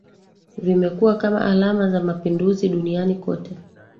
Vimekuwa kama alama za mapinduzi duniani kote